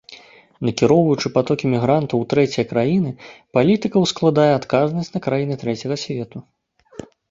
Накіроўваючы патокі мігрантаў у трэція краіны, палітыка ускладае адказнасць на краіны трэцяга свету.